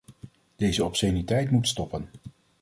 Deze obsceniteit moet stoppen.